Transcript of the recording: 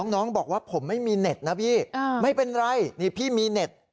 น้องบอกว่าผมไม่มีเน็ตนะพี่ไม่เป็นไรนี่พี่มีเน็ต